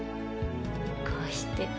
こうして。